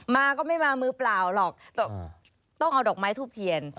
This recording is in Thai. ก็ไม่มามือเปล่าหรอกต้องเอาดอกไม้ทูบเทียน